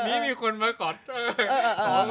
นี่มีคนมาขอข้อย